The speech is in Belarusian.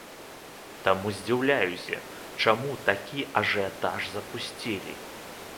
Таму здзіўляюся, чаму такі ажыятаж запусцілі.